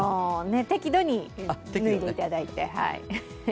適度に脱いでいただいて。